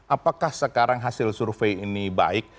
apakah sekarang hasil survei ini baik